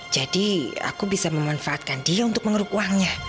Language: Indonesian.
jadi aku bisa memanfaatkan dia untuk mengeruk wajahnya